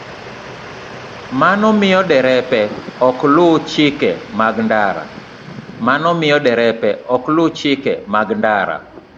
Mano miyo derepe ok luw chike mag ndara.